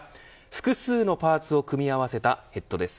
複数のパーツを組み合わせたヘッドです。